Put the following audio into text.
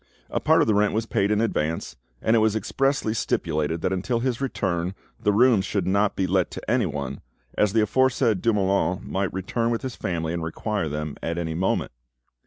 A part of the rent was paid in advance, and it was expressly stipulated that until his return the rooms should not be let to anyone, as the aforesaid Dumoulin might return with his family and require them at any moment.